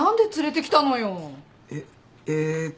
えっえと。